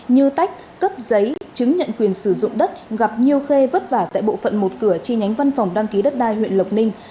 như tách cấp giấy chứng nhận quyền sử dụng đất gặp nhiều khê vất vả tại bộ phận một cửa chi nhánh văn phòng đăng ký đất đai huyện lộc ninh